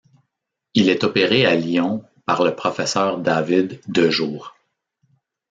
Il est opéré à Lyon par le professeur David Dejour.